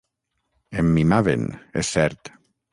Em mimaven, és cert.